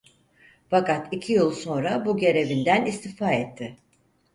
Fakat iki yıl sonra bu görevinden istifa etti.